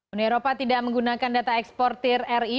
uni eropa tidak menggunakan data eksportir ri